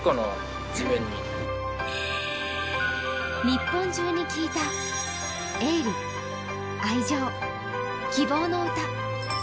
日本中に聞いたエール、愛情、希望の歌。